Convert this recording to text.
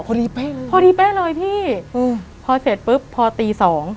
พอดีแป๊บเลยพอดีแป๊บเลยพี่พอเสร็จปุ๊บพอตี๒